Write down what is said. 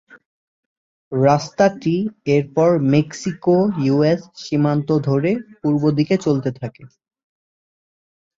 রাস্তাটি এরপর মেক্সিকো-ইউএস সীমান্ত ধরে পূর্বদিকে চলতে থাকে।